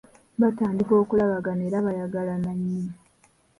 Baatandika okulabagana era bayagalana nnyo .